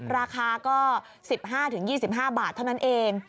ราคาก็๑๕๒๕บาทเท่านั้นเอง